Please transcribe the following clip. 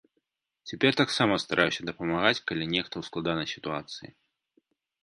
Цяпер таксама стараюся дапамагаць, калі нехта ў складанай сітуацыі.